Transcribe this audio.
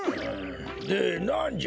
でなんじゃ？